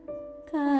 grunda aku sudah siap